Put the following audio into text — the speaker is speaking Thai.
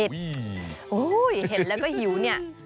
โอ้โหเห็นแล้วก็หิวเนี่ย